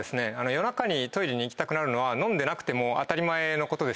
夜中にトイレに行きたくなるのは飲んでなくても当たり前のこと。